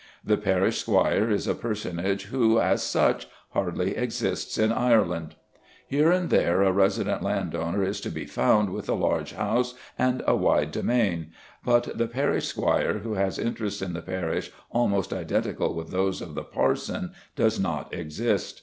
The parish squire is a personage who, as such, hardly exists in Ireland. Here and there a resident landowner is to be found with a large house and a wide demesne; but the parish squire who has interests in the parish almost identical with those of the parson does not exist.